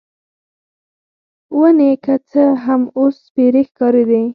ونې که څه هم، اوس سپیرې ښکارېدې.